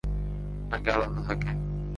নাকি আলাদা থাকে?